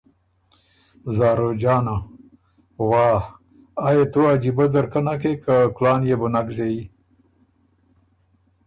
زاروجانه: واه آ يې تُو عجیبۀ ځرکۀ نکې که کُلان يې بو نک زېيي۔